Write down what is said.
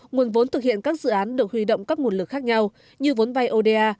nguồn vốn thực hiện các dự án được huy động các nguồn lực khác nhau như vốn vay oda